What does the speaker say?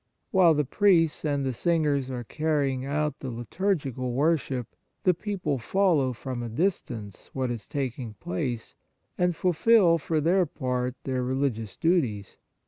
While the priests and the singers are carrying out the liturgical wor ship, the people follow from a dis tance what is taking place, and fulfil for their part their religious duties.